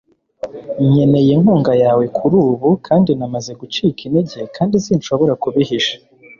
nkeneye inkunga yawe kurubu kandi namaze gucika intege kandi sinshobora kubihisha